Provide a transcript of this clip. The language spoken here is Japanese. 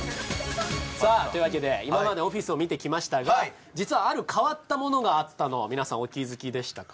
さあというわけで今までオフィスを見てきましたが実はある変わったものがあったのは皆さんお気付きでしたか？